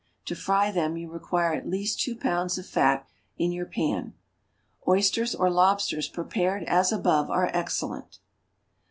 To fry them you require at least two pounds of fat in your pan. Oysters or lobsters prepared as above are excellent.